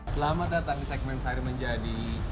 selamat datang di segmen sair menjadi